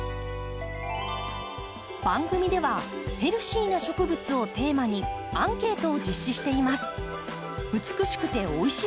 番組では「ヘルシーな植物」をテーマにアンケートを実施しています。